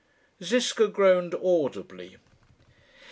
Ziska groaned audibly.